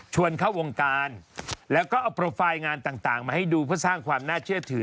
เข้าวงการแล้วก็เอาโปรไฟล์งานต่างมาให้ดูเพื่อสร้างความน่าเชื่อถือ